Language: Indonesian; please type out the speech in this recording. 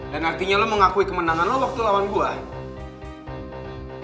dan artinya lo mau ngakui kemenangan lo waktu lawan gue